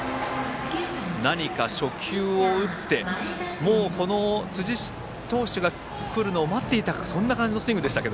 何か初球を打ってもう辻投手が来るのを待っていたそんな感じのスイングでした。